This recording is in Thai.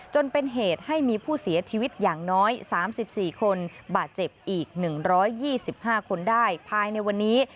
จนเป็นเหตุให้มีผู้เสียชีวิตอย่างน้อย๓๔คนบาดเจ็บอีก๑๒๕คนได้ภายในวันนี้